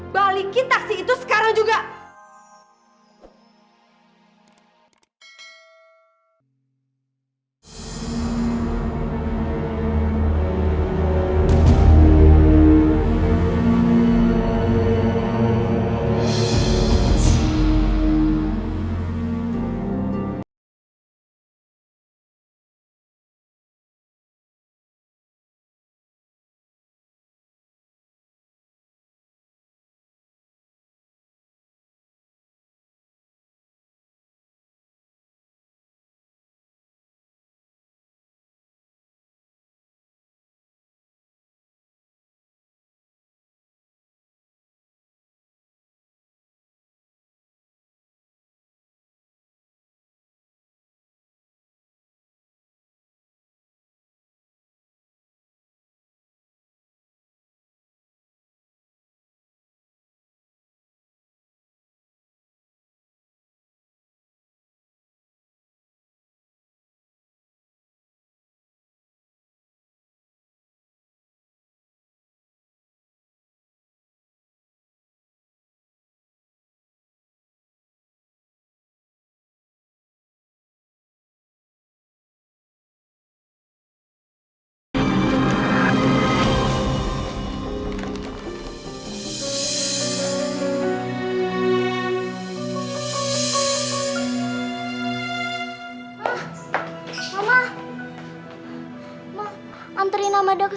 balikin taksi itu sekarang juga